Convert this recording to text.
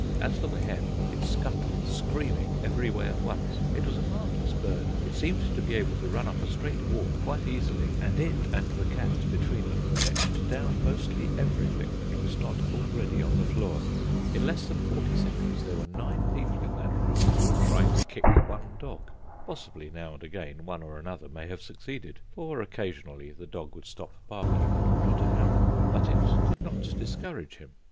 As for the hen it scuttled, screaming, every way at once. It was a marvellous bird: it seemed to be able to run up a straight wall quite easily; and it and the cat between them fetched down mostly everything that was not already on the floor. In less than forty seconds there were nine people in that room, all trying to kick one dog. Possibly, now and again, one or another may have succeeded, for occasionally the dog would stop barking in order to howl. But it did not discourage him.